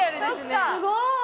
すごい！